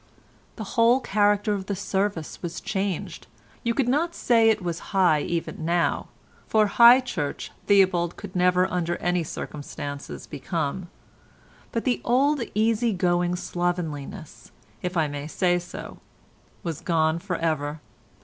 The whole character of the service was changed; you could not say it was high even now, for high church Theobald could never under any circumstances become, but the old easy going slovenliness, if I may say so, was gone for ever.